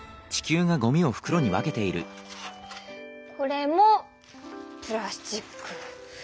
これもプラスチック。